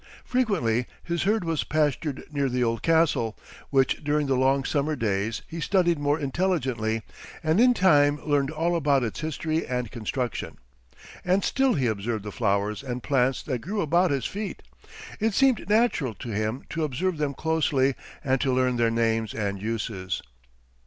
Frequently his herd was pastured near the old castle, which, during the long summer days, he studied more intelligently, and in time learned all about its history and construction. And still he observed the flowers and plants that grew about his feet. It seemed natural to him to observe them closely and to learn their names and uses.